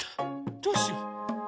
どうしよう？